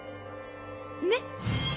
ねっ。